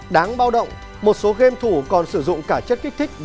đáng bao động một số game thủ còn sử dụng cả chất kích thích